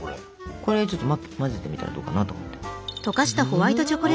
これちょっと混ぜてみたらどうかなと思って。